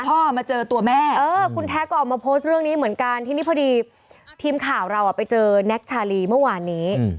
พ่อมาเจอตัวแม่คุณแท็กก็ออกมาโพสต์เรื่องนี้เหมือนกันทีนี้พอดีทีมข่าวเราไปเจอแน็กชาลีเมื่อวานนี้